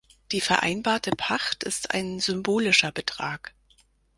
Die vereinbarte Pacht ist ein symbolischer Betrag.